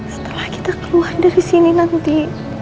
setelah kita keluar dari sini nanti